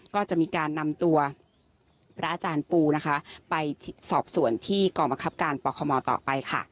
ก็จะมีการนำตัวพระอาจารย์ปูนะคะไปสอบส่วนที่กองบังคับการปคมต่อไปค่ะ